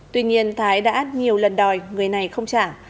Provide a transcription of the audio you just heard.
tuy nhiên thái đã nhiều lần đòi người này không trả